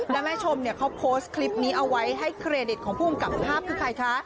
แล้วแม่ชมเนี่ยเขาโพสต์คลิปนี้เอาไว้ให้เครดิตของผู้กำกับภาพคือใครคะ